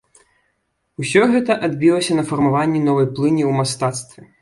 Усё гэта адбілася на фармаванні новай плыні ў мастацтве.